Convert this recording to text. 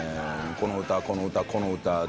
「この歌この歌この歌」